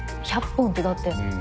１００本ってだって。